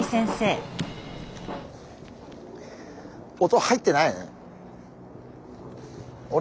音入ってないね？